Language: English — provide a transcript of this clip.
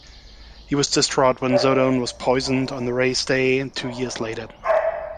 He was distraught when Zoedone was poisoned on the race day two years later.